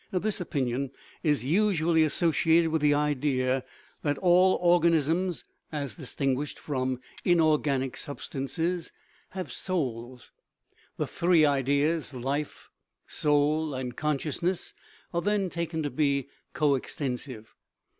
This opinion is usually as sociated with the idea that all organisms (as distin CONSCIOUSNESS guished from inorganic substances) have souls: the three ideas life, soul, and consciousness are then taken to be coextensive.